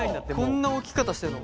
こんな置き方してるの？